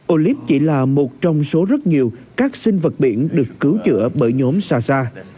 olip chỉ là một trong số rất nhiều các sinh vật biển được cứu chữa bởi nhóm xasa